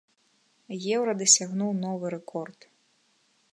Еўра дасягнуў новы рэкорд.